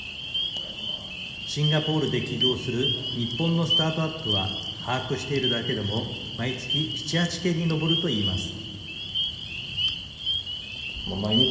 シンガポールで起業する日本のスタートアップは把握しているだけでも毎月７８件に上るといいます。